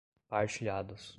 partilhados